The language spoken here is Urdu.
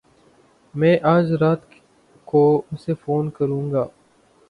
میں اج رات کو اسے فون کروں گا